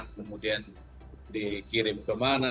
kemudian dikirim ke mana